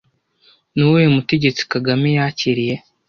Ni uwuhe mutegetsi Kagame yakiriye